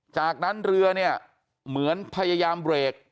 จากนั้นเรือเนี่ยเหมือนพยายามเบรก